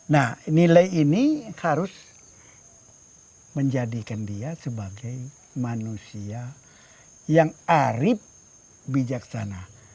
nah nilai ini harus menjadikan dia sebagai manusia yang arib bijaksana